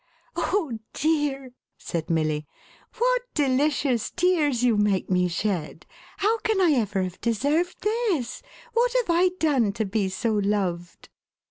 "Oh dear!" said Milly, "what delicious tears you mak< me shed. How can I ever have deserved this ! What have I done to be so loved